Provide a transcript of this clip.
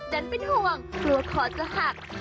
ดันเป็นห่วงเดี๋ยวขอจะหัก